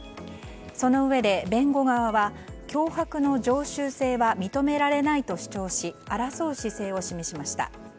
そのうえで、弁護側は脅迫の常習性は認められないと主張し争う姿勢を示しました。